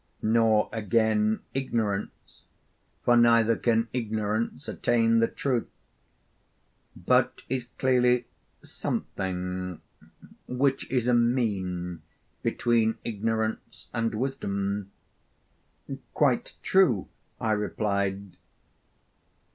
nor again, ignorance, for neither can ignorance attain the truth), but is clearly something which is a mean between ignorance and wisdom.' 'Quite true,' I replied.